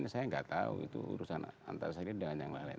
saya enggak tahu itu urusan antasari dengan yang lain